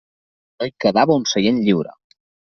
No hi quedava un seient lliure.